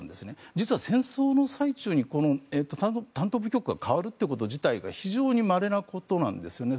実は戦争の最中に担当部局が変わること自体が非常にまれなことなんですね。